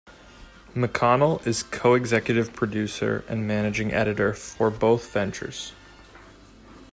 McConnell is co-executive producer and managing editor for both ventures.